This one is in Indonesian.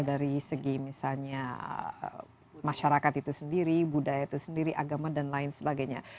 dari segi misalnya masyarakat itu sendiri budaya itu sendiri agama dan lain sebagainya